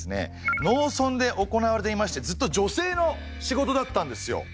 農村で行われていましてずっと女性の仕事だったんですよ。